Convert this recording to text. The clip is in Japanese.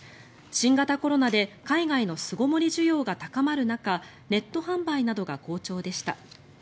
新型コロナで海外の巣ごもり需要が高まる中ネット販売などが好調でした。